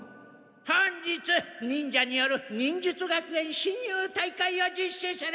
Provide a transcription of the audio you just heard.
本日忍者による忍術学園しん入大会を実しする！